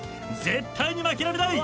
絶対に負けられない。